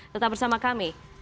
tetap bersama kami